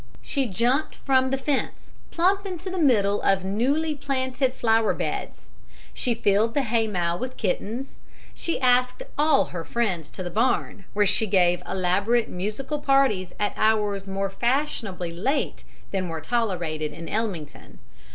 She jumped from the fence plump into the middle of newly planted flower beds; she filled the haymow with kittens; she asked all her friends to the barn, where she gave elaborate musical parties at hours more fashionably late than were tolerated in Ellmington.